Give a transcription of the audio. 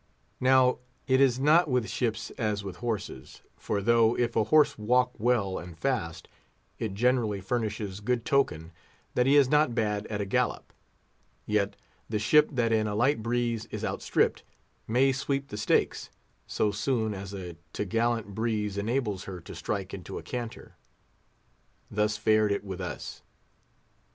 Now it is not with ships as with horses; for though, if a horse walk well and fast, it generally furnishes good token that he is not bad at a gallop, yet the ship that in a light breeze is outstripped, may sweep the stakes, so soon as a t'gallant breeze enables her to strike into a canter. Thus fared it with us.